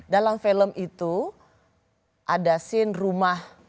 dalam film itu ada scene rumah